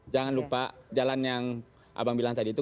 jangan lupa jalan yang abang bilang tadi itu